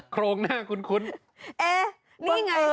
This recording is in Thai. โครงหน้าคุ้น